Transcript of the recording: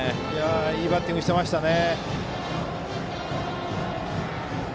いいバッティングでしたね。